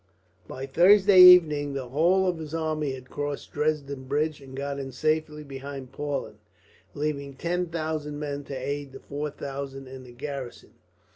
By Thursday evening the whole of his army had crossed Dresden bridge and got in safely behind Plauen, leaving ten thousand men to aid the four thousand in the garrison.